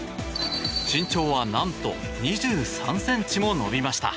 身長は何と２３ｃｍも伸びました。